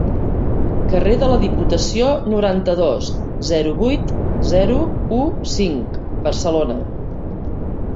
Carrer de la Diputació, noranta-dos, zero vuit zero u cinc, Barcelona.